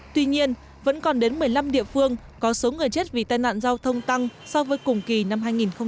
tuy nhiên vẫn còn đến một mươi năm địa phương có số người chết vì tai nạn giao thông tăng so với cùng kỳ năm hai nghìn một mươi tám